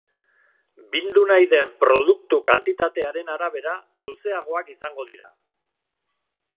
Bildu nahi den produktu kantitatearen arabera luzeagoak izango dira.